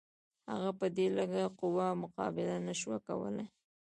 هغه په دې لږه قوه مقابله نه شوای کولای.